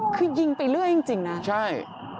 คือยิงไปเรื่อยจริงนะใช่